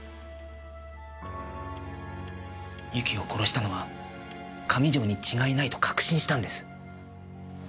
由紀を殺したのは上条に違いないと確信したんです。